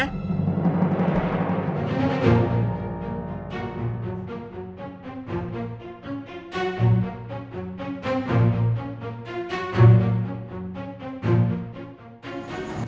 habislah di rumah